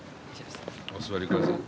お座りください。